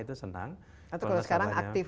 itu senang atau kalau sekarang aktif